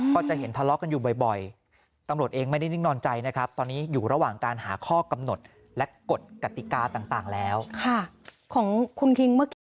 กฎิกาต่างต่างแล้วค่ะของคุณคิงเมื่อกี้